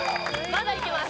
まだいけます。